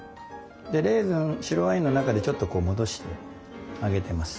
でレーズン白ワインの中でちょっとこう戻してあげてます。